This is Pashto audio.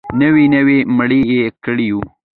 نوې نوي مړي يې کړي وو.